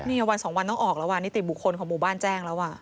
นี่วันสองวันต้องออกแล้วอ่ะนี่ติบุคลของบุบ้านแจ้งแล้วอ่ะ